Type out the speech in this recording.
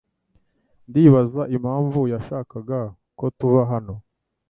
Ndibaza impamvu yashakaga ko tuba hano.